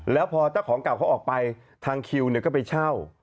แล้วพอเจ้าของเก่าเขาออกไปทางคิวก็ไปเช่า